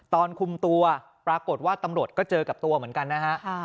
ตอนคุมตัวปรากฏว่าตำรวจก็เจอกับตัวเหมือนกันนะฮะ